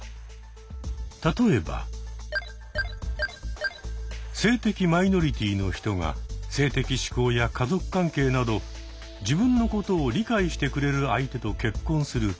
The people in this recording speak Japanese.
例えば性的マイノリティーの人が性的指向や家族関係など自分のことを理解してくれる相手と結婚するケース。